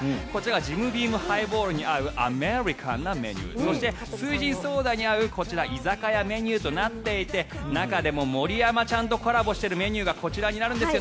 ジムビームハイボールに合うアメリカンなメニューそして翠ジンソーダに合うこちら居酒屋メニューとなっていて中でも森山ちゃんとコラボしているメニューがこちらになるんですよ。